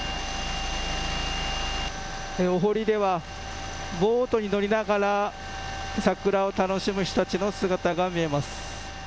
お堀ではボートに乗りながら桜を楽しむ人たちの姿が見えます。